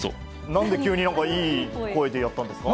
なんで急にいい声でやったんですか？